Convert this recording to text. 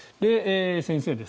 先生です。